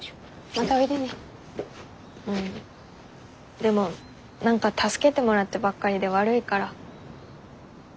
でも何か助けてもらってばっかりで悪いから。